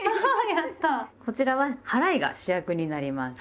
こちらは「はらい」が主役になります。